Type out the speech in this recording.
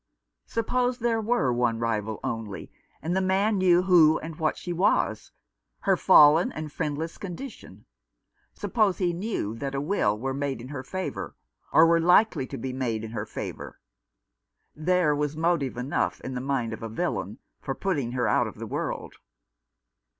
Suppose there were one rival only, and the man knew who and what she was — her fallen and friendless condition ; suppose he knew that a will were made in her favour, or were likely to be made in her favour— there was motive enough in the mind of a villain for putting her out of the world.